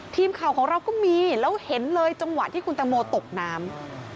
ทีมข่าวของเราก็มีแล้วเห็นเลยจังหวะที่คุณตังโมตกน้ำ